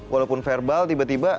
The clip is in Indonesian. walaupun verbal tiba tiba